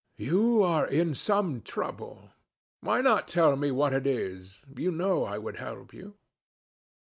You are in some trouble. Why not tell me what it is? You know I would help you."